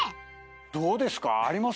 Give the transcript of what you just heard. どうですか？